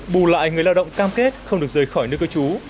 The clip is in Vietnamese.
bù lại người lao động cam kết không được rời khỏi nước cơ chú